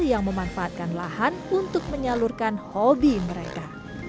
yang memanfaatkan lahan untuk menyalurkan hobi mereka